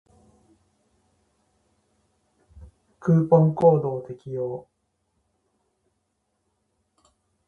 クーポンコードを適用